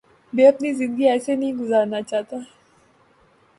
میں اپنی زندگی ایسے نہیں گزارنا چاہتا